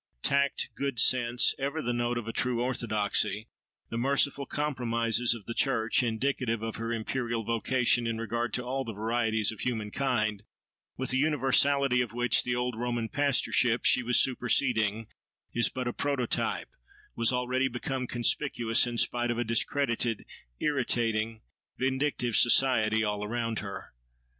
Tact, good sense, ever the note of a true orthodoxy, the merciful compromises of the church, indicative of her imperial vocation in regard to all the varieties of human kind, with a universality of which the old Roman pastorship she was superseding is but a prototype, was already become conspicuous, in spite of a discredited, irritating, vindictive society, all around her.